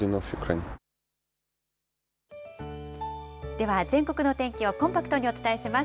では全国のお天気をコンパクトにお伝えします。